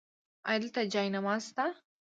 ایا دلته جای نماز شته؟